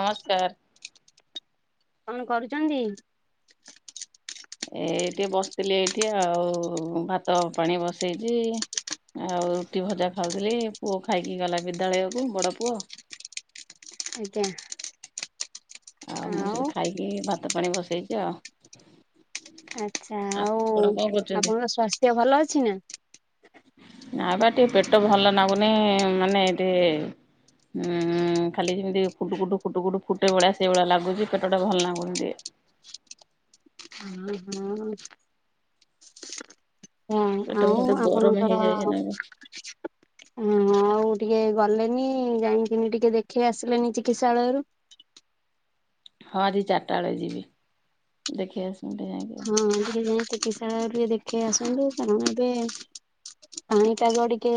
ନମସ୍କାର। କନ କରୁଛନ୍ତି? ଏଇ ଟିକେ ବସିଥିଲି ଏଇଠି ଆଉ, ଭାତ ପାଣି ବସେଇଛି। ଆଉ ରୁଟି ଭଜା ଖାଉଥିଲି, ପୁଅ ଖାଇକି ଗଲା ବିଦ୍ୟାଳୟକୁୁ, ବଡ ପୁଅ। ଆଜ୍ଞା। ଆଉ ମୁଁ ସେ ଖାଇକି ଭାତ ପାଣି ବସେଇଛି ଆଉ। ଆଚ୍ଛା, ଆଉ ଆପଣ କଣ କରୁଛନ୍ତି? ଆପଣଙ୍କର ସ୍ୱାସ୍ଥ୍ୟ ଭଲ ଅଛି ନା? ନା ବା ଟିକେ ପେଟ ଭଲ ନାଗୁନି ମାନେ ଟିକେ। ହୁଁ ଖାଲି ଯେମିତି ଫୁଟୁ କୁୁଟୁ ଫୁଟୁ କୁଟୁ ଫୁଟେଇ ଭଳିଆ ସେଇ ଭଳିଆ ଲାଗୁଛି ପେଟ ଟା ଭଲ ଲାଗୁନି ଟିକେ। ପେଟ ହଉ ଫେଟ ଗରମ ଆପଣଙ୍କର। ହେଇଯାଇଛି ନା ଏବେ ହଁ ଆଉ ଟିକେ ଗଲେନି, ଯାଇକିନି ଟିକେ ଦେଖେଇ ଆସିଲେନି ଚିକିତ୍ସାଳୟରୁ। ହଁ ଆଜି ଚାରିଟା ବେଳେ ଯିବି, ଦେଖେଇ ଆସିବି। ଟିକେ ଯାଇକି ଆଉ। ହଁ ଟିକେ ଯାଇ ଚିକିତ୍ସାଳୟରେ ଟିକେ ଦେଖେଇ ଆସନ୍ତୁ କାରଣ ଏବେ। ପାଣି ପାଗ ଟିକେ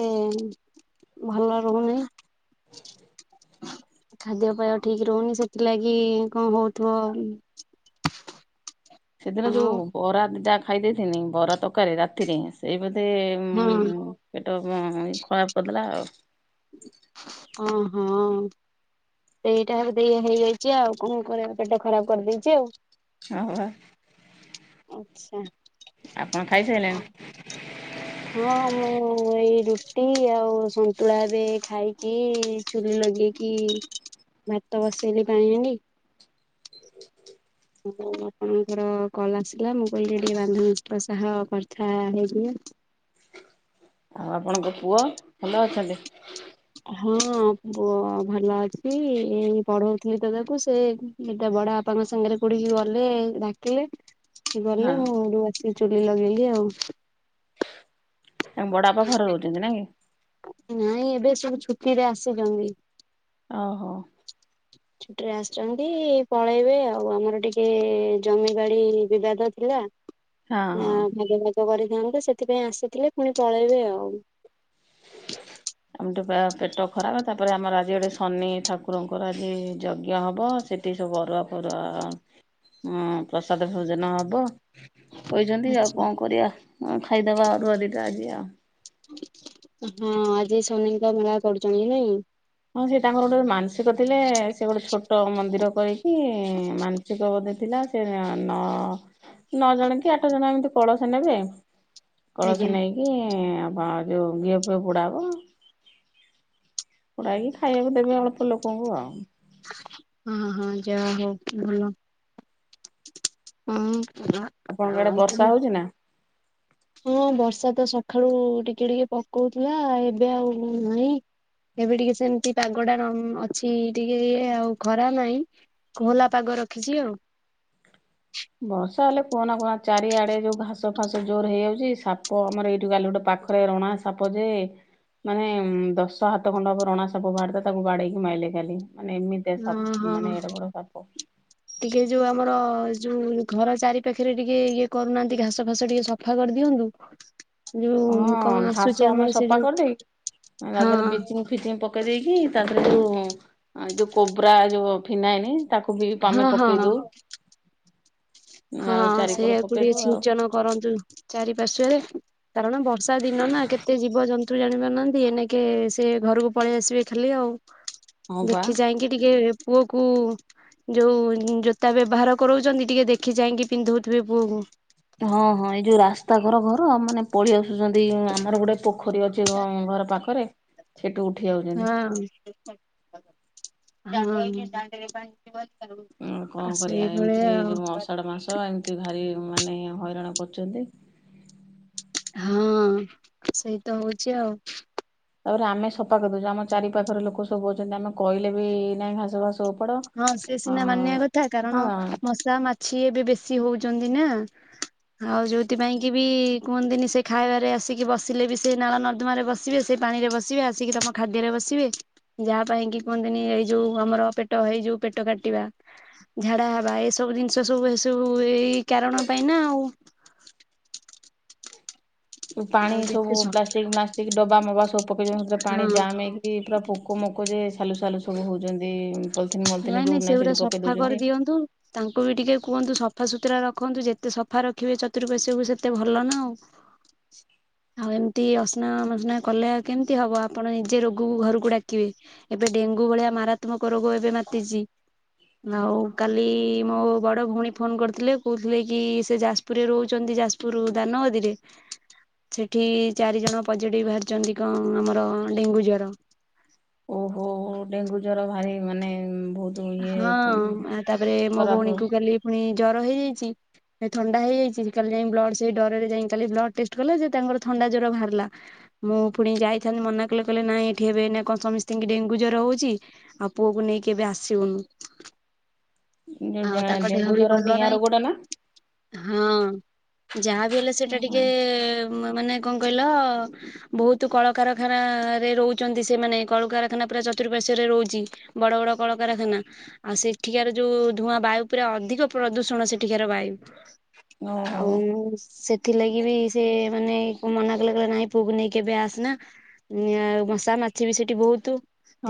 ଭଲ ରହୁନି ନା। ଖାଦ୍ୟ ପେୟ ଠିକ୍ ରହୁନି ସେଥିଲାଗି କଣ ହଉଥିବ। ସେଦିନ ଆଉ ଯୋଉ ବରା ଦିଟା ଖାଇ ଦେଇଥିନି, ବରା ତରକାରୀ ରାତିରେ, ସେଇ ବୋଧେ। ହୁଁ। ଉଁ ପେଟ କଁ ଏଇ ଖରାପ କରିଦେଲା ଆଉ। ଅ ହ। ସେଇଟା ବୋଧେ ଇଏ ହେଇ ଯାଇଛି ଆଉ କଁ କରିବା ପେଟ ଖରାପ କରି ଦେଇଛି ଆଉ। ହଁ ବା। ଆଛା। ଆପଣ ଖାଇ ସାଇଲେଣି। ହଁ ମୁଁ ଏଇ ରୁଟି ଆଉ ସନ୍ତୁଳା ଏବେ ଖାଇକି। ଚୁଲି ଲଗେଇକି ଭାତ ବସେଇଲି ପାଣି ହାଣ୍ଡି। ଯୋଉ ଆପଣଙ୍କର କଲ୍ ଆସିଲା ମୁଁ କହିଲି ଟିକେ ବାନ୍ଧବି ଙ୍କ ସହ କଥା ହେଇଯିବା। ଆଉ ଆପଣଙ୍କ ପୁଅ ଭଲ ଅଛନ୍ତି। ହଁ ପୁଅ ଭଲ ଅଛି ଏଇ ପଢଉ ଥିଲି ତ ତାକୁ ସେ। ଏଇ ତା ବଡ ବାପାଙ୍କ ସାଙ୍ଗରେ କୋଉଠି କି ଗଲେ ଡାକିଲେ। ସିଏ ହଁ ଗଲେ ମୁଁ ଏଇଠିବ ସିକି ଚୁଲି ଲଗେଇଲି ଆଉ। ତାଙ୍କ ବଡ ବାପା ଘରେ ରହୁଛନ୍ତି ନାଇ। ନାଇଁ ଏବେ ସବୁ ଛୁଟିରେ ଆସିଛନ୍ତି। ଓହୋ। ଛୁଟିରେ ଆସିଛନ୍ତି ପଳେଇବେ ଆଉ, ଆମର ଟିକେ ଜମିବାଡି ବିବାଦ ଥିଲା। ହଁ ହଁ। ଭାଗ ଭାଗ କରିଥାନ୍ତୁ ସେଥିପାଇଁ ଆସିଥିଲେ ପୁଣି ପଳେଇବେ ଆଉ। [unintelligible] ଆମେ ଟେ ପେଟ ଖରାପ ତାପରେ ଆମର ଆଜି ଗୋଟେ ଶନି ଠାକୁରଙ୍କର ଆଜି ଯଜ୍ଞ ହବ। ସେଠି ସବୁ ଅରୁଆ ପରୁଆ ପ୍ରସାଦ ଭୋଜନ ହବ। କହିଛନ୍ତି ଆଉ ଆଚ୍ଛା। କଣ କରିବା ଖାଇଦବା ଅରୁଆ ଦିଟା ଆଜି ଆଉ। ହଁ ଆଜି ସନିଙ୍କ ମେଳା କରୁଛନ୍ତି ନାଇଁ। ହଁ ସେ ତାଙ୍କର ଗୋଟେ ମାନସିକ ଥିଲେ ସେ ଗୋଟେ ଛୋଟ ମନ୍ଦିର କରିକି ମାନ [unintelligible] ଥିଲା ସେ ନ ନଅ ଜଣ କି ଆଠ ଜଣ ଏମିତି ପଡୋସା ନେବେ। କଳସୀ ଆଜ୍ଞା ନେଇକି ଆ ଯୋଉ ଘିଅ ଫିଅ ବୁଡାବ। ପୁଡ଼ାକି ଖାଇବାକୁ ଦେବେ ଅଳ୍ପ ଲୋକଙ୍କୁ ଆଉ। ହଁ ହଁ ଯହା ହଉ ଭଲ। ହୁଁ [unintelligible] ଆପଣଙ୍କ ଆଡେ ବର୍ଷା ହଉଛି ନା? ହଁ ବର୍ଷା ତ ସକାଳୁ ଟିକେ ଟିକେ ପକଉଥିଲା ଏବେ ଆଉ ନାହିଁ। ଏବେ ଟିକେ ସେମତି ପାଗ ଟା ଅଛି ଟିକେ ଆଉ ଖରା ନାହିଁ। କୋହଲା ପାଗ ରଖିଛି ଆଉ। ବର୍ଷା ହେଲେ କୁହନା କୁହନା ଚାରିଆଡେ ଯୋଉ ଘାସ ଫାସ ଜୋର ହେଇଯାଉଛି ସାପ ଆମର ଏଇଠୁ ଗାଲି ଗୋଟେ ପାଖ। ରଣା ନା ସାପଜେ। ମାନେ ଦଶ ହାତ ଖଣ୍ଡବ ରଣା ସା ପ ବାହାରିଥା ତାକୁ ବାଡେଇକି ମାଇଲେ କାଲି। ମାନେ ଏମିତି ହଁ ହଁ। ମାନେ ଏଡେ ବଡ ସାପ। ଟିକେ ଯୋଉ ଆମର ଯୋଉ ଘର ଚାରି ପାାଖରେ ଟିକେ ଇଏ କରୁନାହାନ୍ତି ଘାସ ଫାସ ଟିକେ ସଫା କରିଦିଅନ୍ତୁ। ଯୋଉ କଣ ହଁ ଆସୁଛି ଘାସ ଆମେ ଆମର ସେ ଯୋଉ ସଫା କରିଦେଇ ହଁ ତାଦିହ [unintelligible] ଫିଙ୍ଗ ପକେଇ ଦେଇେଇକି ତାପରେ ଯୋଉ ଯୋଉ କୋବରା ଯୋଉ ଫିନାଇନ ତାକୁ ବି ହଁ ତମେ ପକେଇ ହଁ ଦଉ। ହଁ ଆଉ ଚାରିକର ସେଇଆକୁ ଟିକେ ପକେଇଦଉ ଆଉ ସିଞ୍ଚନ କରନ୍ତୁ ଚାରିପାଶ୍ୱରେ। କାରଣ ବର୍ଷା ଦିନ ନା କେତେ ଜୀବଜନ୍ତୁ ଜାଣି ପାରୁନାହାନ୍ତି ଏନକେ ସେ ଘରକୁ ପଳେଇ ଆସିବେ ଖାଲି ଆଉ। [inaudible] ଦେଖି ଚାଇଁକି ଟିକେ ପୁଅ କୁ ଯୋଉ ଜୋତା ବ୍ୟବହାର କରାଉଛନ୍ତି ଟିକେ ଦେଖ ଯାଇକି ପିନ୍ଧଉଥିବ ପୁଅକୁ। ହଁ ହଁ ଏଇ ଯୋଉ ରାସ୍ତା ଘର ଘର ମାନେ ପଳେଇ ଆସୁଛନ୍ତି ଆମର ଗୋଟେ ପୋଖରୀ ଅଛି ଘର ପାଖରେ ସେଠୁ ଉଠି ଆଉଛନ୍ତି। ହଁ। [unintelligible] କଣ ଆ କରିବା ଏମିତି ସେଇଭଳିଆ ଆଉ ଯୋଉ ଅଷାଢ ମାସ [unintelligible] ଭାରି ମାନେ ହଇରାଣ କରୁଛନ୍ତି। ହଁ ସେଇ ତ ହଉଛି ଆଉ। ତାପରେ ଆମେ ସଫା କରିଦଉଛୁ ଆମ ଚାରି ପାଖରେ ଲୋକ ସବୁ ଅଛନ୍ତି ଆମେ କହିଲେ ବି ନାଇଁ ଘାସ ଫାସ ଓପାଡ ହଁ ସେ ଅ ସିନା ମାନିବା କଥା କାରଣ ହଁ ମାଛି ଏବେ ବେଶୀ ହଉଛନ୍ତି ନା। ଆଉ ଯୋଉଥିପାଇଁ କି ବି କୁହନ୍ତିନି ସେ ଖାଇବାରେ ଆସିକି ବସିଲେ ବି ସେ ନାଳ ନର୍ଦମାରେ ବ ଆସିବେ ସେ ପାଣି ରେ ବସିବେ ଆସିକି ତମ ଖାଦ୍ୟରେ ବସିବେ ଯାହା ପାଇଁ କି କୁହନ୍ତିନି ଏଇ ଯୋଉ ଆମର ପେ ଟ ହେଇଯୁ ପେଟ କାଟିବା। ଝାଡା ହବା ଏସବୁ ଜିନିଷ ସବୁ ଏସବୁ ଏଇ କାରଣ ପାଇଁ ନା ଆଉ ପାଣି ଆଉ ସବୁ ଯେତେ ସଫା ପ୍ଲାଷ୍ଟିକି ମଲ୍ଲଷ୍ଟିକି ଡବା ମବା ସବୁ ପକେଇଛନ୍ତି ସେଥିରେ ପାଣି ହଁ ଜାମ୍ ହେଇକି ଏ ପୁରା ପୋକ ମୋକ ଯେ ସାଲୁ ସାାଲୁ ସବୁ ହଉଛନ୍ତି। ପଲିଥିନ ମଲିଥିନ ନାଇଁ ନାଇଁ ଯୋଉଠି ନାହିଁ ସେଗୁରା ସେଇଠି ପକେଇ ସଫା ଦଉଛନ୍ତି। କରିଦିଅନ୍ତୁ। ତାଙ୍କୁ ବି ଟିକେ କୁହନ୍ତୁ ସଫାସୁତୁରା ରଖନ୍ତୁ ଯେତେ ସଫା ରଖିବେ ଚତୁର୍ପାର୍ଶ୍ୱକୁୁ ସେତେ ଭଲ ନା ଆଉ। [inaudible] [inaudible] ଆଉ ଏମିତି ଅସ୍ନାମସ୍ନା କଲେ ଆଉ କେମିତି ହବ ଆପଣ ନିଜେ ରୋଗକୁ ଘରକୁ ଡାକିବେ। ଏବେ ଡେଙ୍ଗୁ ଭଳିଆ ମାରାତ୍ମକ ରୋଗ ଏବେ ମାତିଛି। ଆଉ କାଲି ମୋ ବଡ ଭଉଣୀ ଫୋନ କରିଥିଲେ କହୁଥିଲେ କି ସେ ଯାଜ୍ ପୁରୁରେ ରହୁଛନ୍ତି ଯାଜପୁରରୁ ଦାନଗଦୀରେ। [inaudible] ସେଠି ଚାରି ଜଣ ପଜେଟିଭ ବାହାରିଛନ୍ତି କଣ ଆମର ଡେଙ୍ଗୁ ଜର। ଓହୋ ଡେଙ୍ଗୁ ଜ୍ୱର ଭାରି ମାନେ ବହୁତ୍ ହଁ ତାପରେ ମୋ ଖରାପ ଭଉଣୀ କୁ କାଲି ଫୁଣି ଜର ହେଇଯାଇଛି। ଥଣ୍ଡା ହେଇଯାଇଛି କାଲି ଯାଇ ବ୍ଲଡ ସେଇ ଡରରେ ଯାଇଲି ବ୍ଲଡ ଟେଷ୍ଟ କଲେ ଯେ ତାଙ୍କର ଥଣ୍ଡା ଜ୍ୱର ବାହାରିଲା। ମୁଁ ପୁଣି ଯାଇଥାନ୍ତି ମନା କଲେ କହିଲେ ନାଇଁ ଏଠି ହେବେ ନା କଣ ସମସ୍ତିଙ୍କି ଡେଙ୍ଗୁ ଜ୍ୱର ହଉଛି। ଆଉ ପୁଅକୁ ନେଇକି ଏବେ ଆସିବୁନୁ। ଆଉ ତାଙ୍କ ଡେଙ୍ଗୁ ଦେହ ବି ଜର ଭଲ ଡିଆଁ ନାହିଁ ରୋଗ ଟା ନା ହଁ। ଯାହାବି ହେଲେ ସେଇଟା ଓହୋ ଟିକେ ମାନେ କଣ କହିଲ। ବହୁତ କଳକାରଖାନା ରେ ରହୁଛନ୍ତି ସେମାନେ କଳକାରଖାନା ପୁରା ଚତୁର୍ପାର୍ଶ୍ଵରେ ରହୁଛି। ବଡ ବଡ କଳକାରଖାନା। ଆଉ ସେଠିକାର ଯୋଉ ଧୂଆଁ ବାୟୁ ପୁରା ଅଧିକ ପ୍ରଦୂଷଣ ସେଠିକାର ବାୟୁ। ଓହୋ ଆଉ ସେ ଥିଲା କିି ବି ସେ ମାନେ ମନା କଲେ କହିଲା ନାଇଁ ପୁଅକୁ ନେଇକି ଏବେ ଆସେନା। ନିଆ ମଶା ମାଛି ବି ସେଇଠି ବହୁତୁ।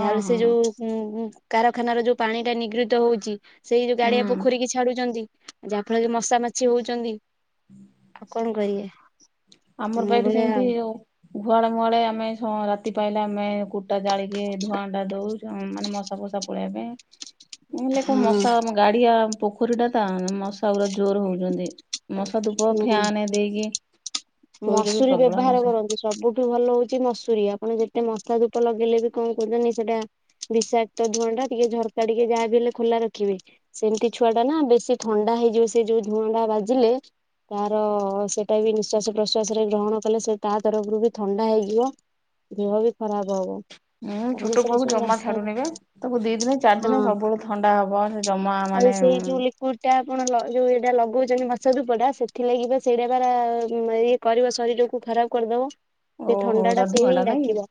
ଯାହା ହେଲେ ସେ ହଁ ଯୋଉ କାରଖାନାର ଯୋଉ ପାଣି ଟା ନିଗ୍ରିତ ହଉଛି। ସେଇ ଯୋଉ ଗାଡିଆ ହୁଁ। ପୋଖରୀ କିି ଛାଡୁଛନ୍ତି ଯାହା ଫଳରେ ମଶା ମାଛି ହଉଛନ୍ତି। ଆଉ କଣ କହିବେ? ଆମର ପା ଏଠି ସେମିତି ଓ ଗୁହାଳେ ମୁହାଳେ ଆମେ ଶ ରାତି ପାଇଲେ ଆମେ କୁଟା ଜାଳିକି ଧୂଆଁଟା ଦେଉ। ମାନେ ମଶା ଫସା ପଳେଇବା ପାଇଁ। ନହେଲେ କୋଉ ମଶା ହଁ ଗାଡିଆ ପୋଖରୀ ଟା ତା ମଶା ପୁରା ଜୋର ହଉଛନ୍ତି। ମଶା ଧୁପ ହୁଁ ଫ୍ୟାନ ଦେଇକି। ଶୋଇଲେ ବି ମସୁରୀ ପ୍ରବଳ ବ୍ୟବହାର ମଶା। କରନ୍ତୁ। ସବୁଠୁ ଭଲ ହଉଛି ମସୁରୀ ଆପଣ ଯେତେ ମଶା ଧୂପ ଲଗେଇଲେ ବି କଣ କରୁଛନ୍ତିି ସେଇଟା ବିଷାକ୍ତ ଧୂଆଁ ଟା ଟିକେ ଝରକା ଟିକେ ଯାହାବି ହେଲେ ଖୋଲା ରଖିବେ। ସେମିତି ଛୁଆ ଟା ନା ବେଶୀ ଥଣ୍ଡା ହେଇଯିବ ସେ ଯୋଉ ଧୁଆଁ ଟା ବାଜିଲେ। ତାର ସେଇଟା ବି ନିଶ୍ୱାସ ପ୍ରଶ୍ୱାସରେ ଗ୍ରହଣ କଲେ ସେ ତା ତରଫରୁ ବି ଥଣ୍ଡା ହେଇଯିବ ଦେହ ବି ଖରାପ ହବ। ମୁଁ କାରଣ ଛୋଟ ସେଟା ପୁଅ କୁ ସବୁ ଜମା ରାସାୟନିକ ଛାଡୁନି ବା। ତାକୁ ଦି ଦିନ ଚାରି ଦିନ ହଁ ସବୁବେଳେ ଥଣ୍ଡା ହବ ସେ ଜମା ଆଉ ମାନେ ସେଇ ଯୋଉ ଲିକୁଇଡ ଟା ଆପଣ ଲ ଯୋଉ ଏଇଟା ଲଗଉଛନ୍ତି ମଶା ଧୂପ ଟା ସେଥିଥିଲାଗି ବା ସେଇଟା ପରା ଇଏ କରିବ ଶରୀରକୁ ଖରାପ୍ କରିଦବ ସେ ଓହୋ ଥଣ୍ଡା ଟା ତା ସେଇ ଧୂଆଁ ହିଁ ନାଇଁ କି? ଡାକିବ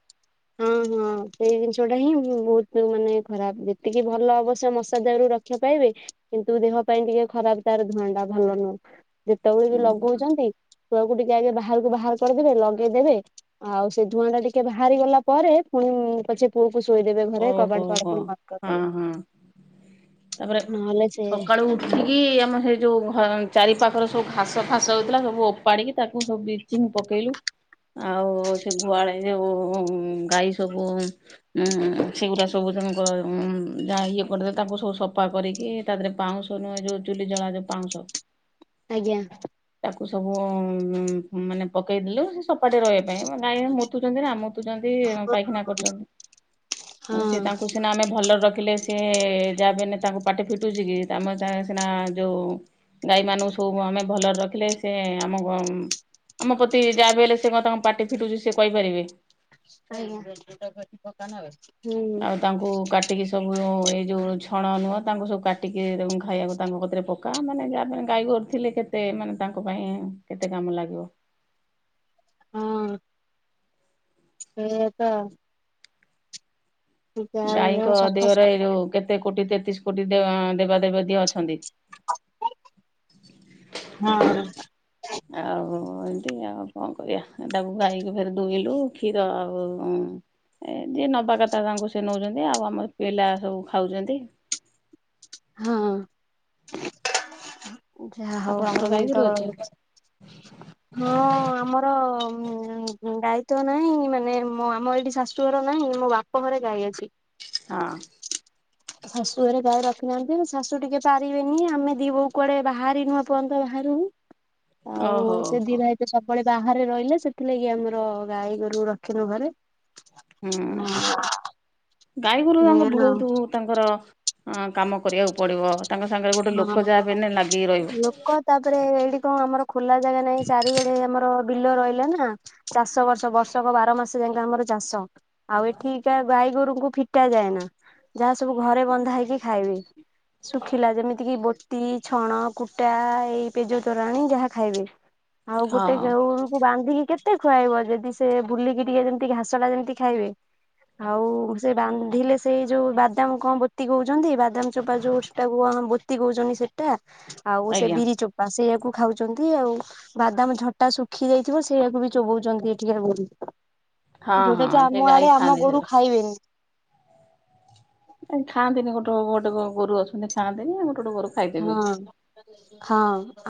ହଁ। ହଁ ହଁ ସେଇ ଜିନିଷ ଟା ହିଁ ବୋହୁତ ମାନେ ଖରାପ୍ ଯେତିକି ଭଲ ଅବଶ୍ୟ ମଶା ଦାଉରୁ ରକ୍ଷା ପାଇବେ। କିନ୍ତୁ ଦେହ ପାଇଁ ଟିକେ ଖରାପ୍ ତାର ଧୂଆଁ ଟା ଭଲ ନୁହେଁ ଯେତେବେଳେ ବି ଲଗୋଉଚନ୍ତି। ଛୁଆ କୁ ଟିକେ ଆଗେ ବାହାରକୁ ବାହାର କରିଦେବେ ଲଗେଇଦେବେ। ଆଉ ସେ ଧୂଆଁ ଟା ଟିକେ ବାହାରି ଗଲା ପରେ ପୁଣି ପଛେ ପୁଅକୁ ଶୋଇଦେବେ ଘରେ ଓହୋ କବାଟ ଫବାଟ ହୋ ପୁଣି ବନ୍ଦ ହଁ କରିଦେବେ। ହଁ। ନହେଲେ ସେ ମାନେ। କି ଆମ ହେଲେ ଯୋଉ ହ ଚାରି ପାାଖରେ ସବୁ ଘାସ ଫାସ ହୋଉଥିଲା ସବୁ ଓପାଡ଼ିକି ତାକୁ ସବୁ ବ୍ଲିଚିଙ୍ଗ ପକେଇଲୁ। ଆଉ ସେ ଗୁହାଳେ ଯୋଉ ଗାଈ ସବୁ ଉଁ ସେଗୁରା ସବୁ ତାଙ୍କ ଉଁ ଯାହା ଇଏ କରିଦେଲେ ତାଙ୍କୁ ସବୁ ସଫା କରିକି ତା ଦେହରେ ପାଉଁଶ ନୁହେଁ ଯୋଉ ଚୁଲି ଜଳା ଯୋଉ ପାଉଁଶ। ଆଜ୍ଞ। ତାକୁ ସବୁ ମାନେ ପକେଇଦେଲୁ ସେ ସଫାଟିକେ ରହିବା ପାଇଁ ଗାଈ ମାନେ ମୂତୁ ଆ ମୂତୁ ଚନ୍ତିନା ମୁତୁଚନ୍ତି ହୁଁ ପାଇଖାନା କରୁଚନ୍ତି। ପୁଣି ସିଏ ହଁ ତାଙ୍କୁ ସିନା ଆମେ ଭଲରେ ରଖିଲେ ସିଏ ଯାହା ବି ହେନେ ତାଙ୍କ ପାଟି ଫିଟୁଛି କି? ଆମେ ତାଙ୍କର ସିନା ଯୋଉ। ଗାଈ ମାନଙ୍କୁ ସବୁ ଆମେ ଭଲରେ ରଖିଲେ ସେ ଆମ ଆମ ପ୍ରତି ଯାହା ବି ହେଲେ ସେ କଣ ତାଙ୍କ ପାଟି ଫିଟୁଚି ସେ କହିପାରିବେ। ଆଜ୍ଞା ଆଉ ହୁଁ। ତାଙ୍କୁ କାଟିକି ସବୁ ଏଇ ଯୋଉ ଛଣ ନୁହଁ ତାଙ୍କୁ ସବୁ କାଟିକି ଖାଇବାକୁ ତାଙ୍କ କତିରେ ପକା ଗାଁ ମାନେକେ ଗାଈଗୋରୁ ଥିଲେ କେତେ ମାନେ ତାଙ୍କ ପାଇଁ କେତେ କାମ ଲାଗିବ। ସେଇୟା ତ। ବି ହଉ ଗାଈଙ୍କ ସଫା ଦେହର ଏ ଯୋଉ କେତେ କୋଟି ତେତିଶି କୋଟି ଦେବା ଦେଵୀ ଦିଅ ଅଛନ୍ତି। ହଁ। ଆଉ ଏମିତି ଆଉ କଣ କରିବା ତାକୁ ଗାଈକି ଫେରେ ଦୁଇଁଲୁ କ୍ଷୀର ଆଉ ଉଁ। ଏ ଯିଏ ନବା କଥା ତାଙ୍କୁ ସିଏ ନେଉଚନ୍ତି ଆଉ ଆମର ପିଲା ସବୁ ଖାଉଚନ୍ତି। ହଁ ଯାହା ହୋଉ ଆମର ତ ହ ହଁ ଆମର ଗାଈ ତ ନାହିଁ ମାନେ ଆମର ଏଇଠି ଶାଶୁ ଶାଶୁ ଘରେ ନାହିଁ ମୋ ବାପ ଘରେ ଗାଇ ଅଛି। ହଁ। ଶାଶୁ ଘରେ ଗାଈ ରଖିନାହାନ୍ତି ଶାଶୁ ଟିକେ ପାରିବେନି ଆମେ ଦି ବୋହୂ କୁଆଡେ ବାହାରିନୁ ଏ ପର୍ଯ୍ୟନ୍ତ ବାହାରୁକୁ। ହଁ ଆଉ ସେ ହୁଁ। ଦିଇ ଭାଇ ସେ ସବୁବେଳେ ବାହାରେ ରହିଲେ ସେଥିଲାଗି ଆମର ଗାଈ ଗୋରୁ ରଖିନୁ ଘରେ। ହୁଁ। ଗାଈ ଗୋରୁ ଆଙ୍କ ବୋଉତୁ ତାଙ୍କର ଅ କାମ କରିବାକୁ ପଡିବ। ତାଙ୍କ ସାଙ୍ଗରେ ଗୋଟେ ହଁ ଲୋକ ଯାହାବି ହେଲେ ଲାଗିକି ରହିବ। ଲୋକ ତାପରେ ଏଇଠି କଣ ଆମର ଖୋଲା ଜାଗା ନାହିଁ ଚାରିଆଡେ ଆମର ବିଲ ରହିଲା ନା ଚାଷ ବର୍ଷ ବର୍ଷକ ବାର ମାସ ଯାକ ଆମର ଚାଷ ଆଉ ଏଠି ତା ଗାଈ ଗୋରୁଙ୍କୁ ଫିଟା ଯାଏନା ଯାହା ସବୁ ଘରେ ବନ୍ଧା ହେଇକି ଖାଇବେ ଶୁଖିଲା ଯେମିତି। ଏତିକି ବୋତି, ଛଣ, କୁଟା ଏଇ ପେଜ ତୋରାଣିୀ ଯାହା ଖାଇବେ। ଆଉ ଗୋଟେ ହଁ। ଗୋରୁକୁ ବାନ୍ଧିକି କେତେ କେତେ ଖୁଆଇବ ଯଦି ସେ ବୁଲିକି ଟିକେ ଯେମିତି ଘାସ ଟା ଯେମିତି ଖାଇବେ। ଆଉ ସେ ବାନ୍ଧିଲେ ସେଇ ଯୋଉ ବାଦାମ କଣ ବୋତି କହୁଛନ୍ତି ବାଦାମ ଚୋପା ଯୋଉ ସେଟାକୁ ବୋତି କହୁଛନ୍ତି ସେଇଟା ଆଉ ସେ ଆଜ୍ଞା ବିରି ଚୋପା ସେଇୟାକୁ ଖାଉଛନ୍ତି ଆଉ। ବାଦାମ ଝଟା ଶୁଖି ଯାଇଥିବ ସେଇଆକୁ ବି ଚୋବଉଛନ୍ତି ଏଠିକେ ବୁ ହଁ ଯୋଉଟା ହଁ କି ସେ ଆମ ଗାଈ ଆଡେ ଆମ ଖାଆନ୍ତି ଗୋରୁ ସେଗୁରା। ଖାଇବେନି। ନାଇଁ ଖାଆନ୍ତିି ଗୋଟେ ଗୋଟେ ଗୋରୁ ଅଛନ୍ତି ଖାଆନ୍ତିନିଉ, ଗୋଟେ ଗୋଟ ଗୋରୁ ଖାଇଦେବେ। ହଁ। ହଁ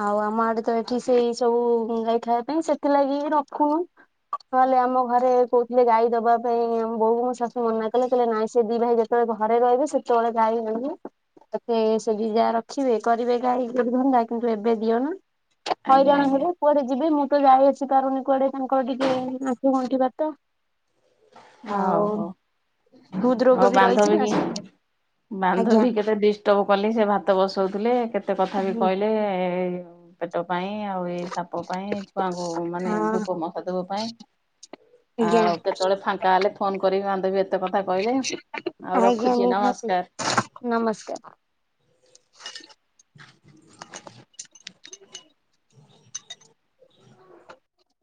ଆଉ ଆମ ଆଡେ ତ ଏଠି ସେଇ ସବୁ ଗାଈ ଖାଇବା ପାଇଁ ସେଥିଲାଗି ରଖୁ। ନହେଲେ ଆମ ଘରେ କହୁଥିଲେ ଗାଈ ଦବା ପାଇଁ ବୋଉ ମୋ ଶାଶୁ ମନା କଲେ କହିଲଲେ ନାଇଁ ସେ ଦି ଭାଇ ଯେତେବେଳେ ଘରେ ରହିବେ ସେତେବେଳେ ଯାଇ ଆଣିବି ତତେ ସେ ବି ଯାର ଦେଖିବେ କରିବେ ଗାଈ ଗୋଟେ ଧନ୍ଦା କିନ୍ତୁ ଏବେ ଦିଅ ନା ଆଜ୍ଞା ହଇରାଣ ଆଜ୍ଞା ହେବ। କୁଆଡେ ଯିବି ମୁଁ ତ ଯାଇ ଆସି ପାରୁନି କୁଆଡେ ତାଙ୍କର ଟିକେ ଆଠୁ ଗଣ୍ଠି ବାତ। ହଉ ଆଉ ହଉ। ହୃଦ ଆଉ ରୋଗ ବି ରହିଛି ନା ବାନ୍ଧବୀ ସେଥିପାଇଁ ଆଜ୍ଞା ବାନ୍ଧବୀ କେତେ ଷ୍ଟବ କଲି ସେ ଭାତ ବସଉଥିଲେ କେତେ କଥା ବି ହଁ। କହିଲେ ପେଟ ପାଇଁ ଆଉ ଏଇ ସାପ ପାଇଁ ଛୁଆଙ୍କୁ ମାନେ ଧୂପ ମଥା ଧବ ପାଇଁ। ଆଜ୍ଞା। ଆଉ କେତେବେଳେ ଫାଙ୍କା ହେଲେ ଫୋନ କରିକି ମାଧବୀ ଏତେ କଥା କହିଲେ ଆଉ ଆଜ୍ଞା ରଖୁଛି ନିହାତି ନମସ୍କାର। ନମସ୍କାର। ହଁ